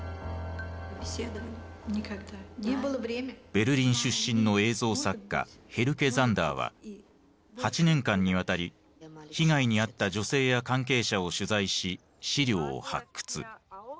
ベルリン出身の映像作家ヘルケ・ザンダーは８年間にわたり被害に遭った女性や関係者を取材し資料を発掘。